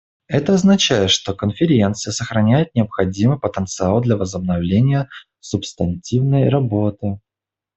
Это означает, что Конференция сохраняет необходимый потенциал для возобновления субстантивной работы.